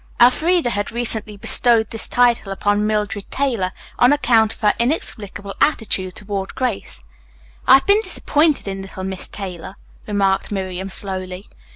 Elfreda had recently bestowed this title upon Mildred Taylor on account of her inexplicable attitude toward Grace. "I have been disappointed in little Miss Taylor," remarked Miriam slowly.